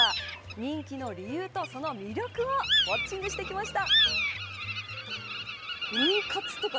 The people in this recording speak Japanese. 人気の理由と魅力をウオッチングしてきました。